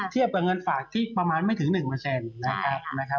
เทียบกับเงินฝากที่ประมาณไม่ถึงหนึ่งเปอร์เซนต์